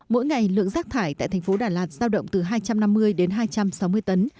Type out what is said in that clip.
mỗi ngày lượng rác thải tại thành phố đà lạt giao động từ hai trăm năm mươi đến hai trăm sáu mươi tấn